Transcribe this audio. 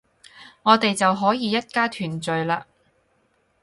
我哋就可以一家團聚喇